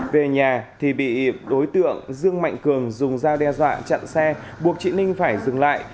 về nhà thì bị đối tượng dương mạnh cường dùng dao đe dọa chặn xe buộc chị ninh phải dừng lại